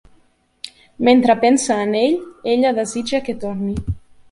Mentre pensa en ell, ella desitja que torni.